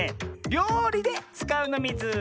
りょうりでつかうのミズ！